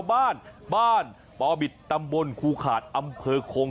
ของชาวบ้านบ้านปบิดตำบลคุขาดอำเภอโคง